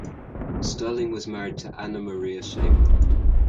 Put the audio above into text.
Sterling was married to Anna Maria Shaver.